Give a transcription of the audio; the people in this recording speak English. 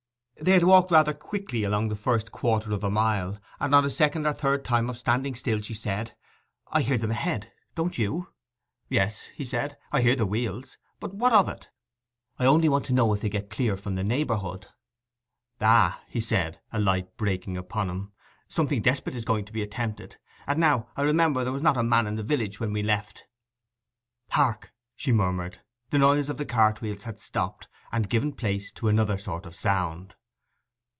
They had walked rather quickly along the first quarter of a mile, and on the second or third time of standing still she said, 'I hear them ahead—don't you?' 'Yes,' he said; 'I hear the wheels. But what of that?' 'I only want to know if they get clear away from the neighbourhood.' 'Ah,' said he, a light breaking upon him. 'Something desperate is to be attempted!—and now I remember there was not a man about the village when we left.' 'Hark!' she murmured. The noise of the cartwheels had stopped, and given place to another sort of sound.